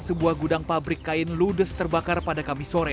sebuah gudang pabrik kain ludes terbakar pada kamis sore